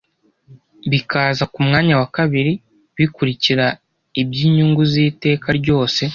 bikaza ku mwanya wa kabiri bikurikira iby’inyungu z’iteka ryose